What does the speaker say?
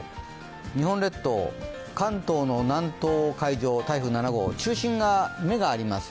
日本列島、関東の南東海上を台風７号中心が目があります。